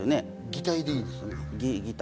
擬態でいいですね？